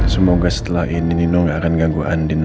semoga setelah ini nino gak akan ganggu andin lagi